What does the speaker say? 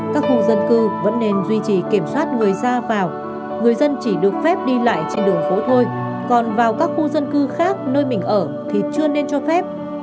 các khu dân cư vẫn nên duy trì kiểm soát người ra vào người dân chỉ được phép đi lại trên đường phố thôi còn vào các khu dân cư khác nơi mình ở thì chưa nên cho phép